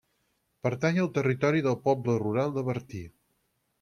Pertany al territori del poble rural de Bertí.